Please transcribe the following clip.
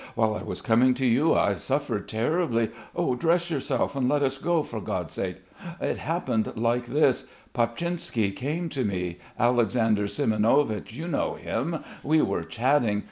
"While I was coming to you I suffered terribly.... Dress yourself and let us go, for God's sake.... It happened like this. Papchinsky came to me Alexander Siemionovich, you know him.... We were chatting....